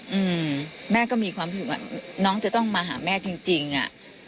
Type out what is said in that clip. อืมแม่ก็มีความรู้สึกว่าน้องจะต้องมาหาแม่จริงจริงอ่ะ